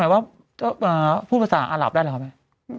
หมายว่าพูดภาษาอาหรับได้หรือครับ